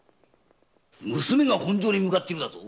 娘が本所に向かっているだと？